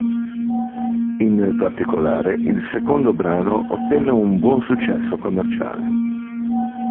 In particolare il secondo brano ottenne un buon successo commerciale.